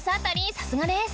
さすがです！